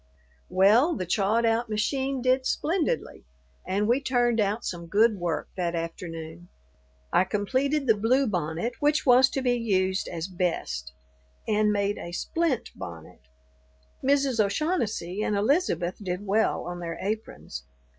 Well, the "chawed out" machine did splendidly, and we turned out some good work that afternoon. I completed the blue bonnet which was to be used as "best," and made a "splint" bonnet. Mrs. O'Shaughnessy and Elizabeth did well on their aprons.